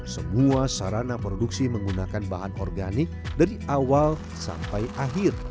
semua sarana produksi menggunakan bahan organik dari awal sampai akhir